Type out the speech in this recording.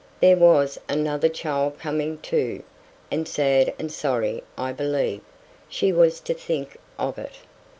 There was another child coming, too; and sad and sorry, I believe, she was to think of it.